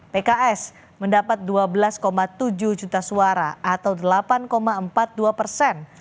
pks mendapat dua belas tujuh juta suara atau delapan empat puluh dua persen